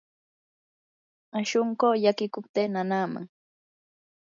shunquu llakiykupti nanaman.